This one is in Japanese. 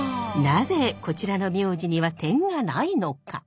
なぜこちらの名字には点がないのか？